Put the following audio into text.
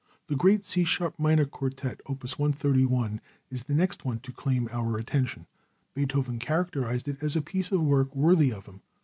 The great C sharp minor Quartet opus 131, is the next one to claim our attention. Beethoven characterized it as a piece of work worthy of him.